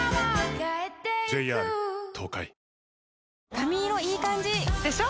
髪色いい感じ！でしょ？